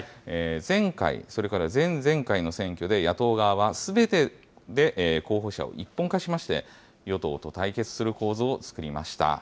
前回、それから前々回の選挙で、野党側は、すべてで候補者を一本化しまして、与党と対決する構図を作りました。